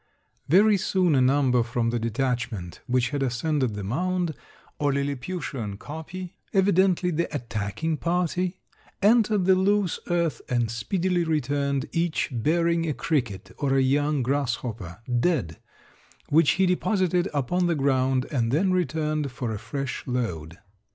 "Very soon a number from the detachment which had ascended the mound, or lilliputian kopje, evidently the attacking party, entered the loose earth and speedily returned, each bearing a cricket or a young grasshopper, dead, which he deposited upon the ground and then returned for a fresh load.